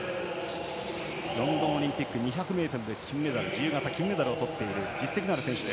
ロンドンオリンピック２００ｍで金メダル自由形で金メダルをとっている実績のある選手。